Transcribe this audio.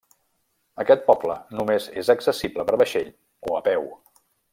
Aquest poble només és accessible per vaixell o a peu.